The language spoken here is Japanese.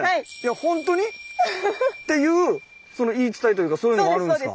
本当に？っていう言い伝えというかそういうのがあるんですか？